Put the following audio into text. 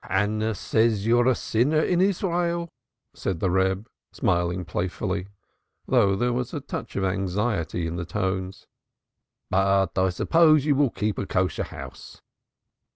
"Hannah says you're a sinner in Israel," said the Reb, smiling playfully, though there was a touch of anxiety in the tones. "But I suppose you will keep a kosher house."